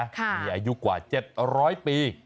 มีอายุกว่า๗๐๐ปี